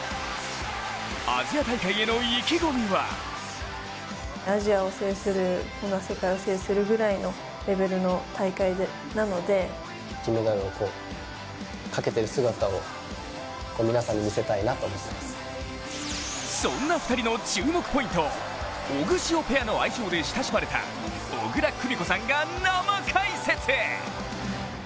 アジア大会への意気込みはそんな２人の注目ポイントをオグシオペアの愛称で親しまれた小椋久美子さんが生解説。